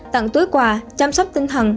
tặng túi quà chăm sóc tinh thần